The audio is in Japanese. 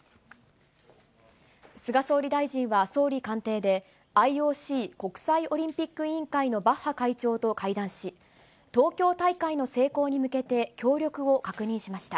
菅総理大臣は総理官邸で、ＩＯＣ・国際オリンピック委員会のバッハ会長と会談し、東京大会の成功に向けて、協力を確認しました。